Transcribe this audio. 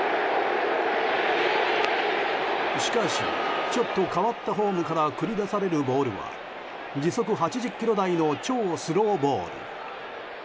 しかしちょっと変わったフォームから繰り出されるボールは時速８０キロ台の超スローボール。